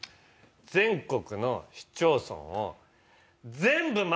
全国の市町村を全部回った。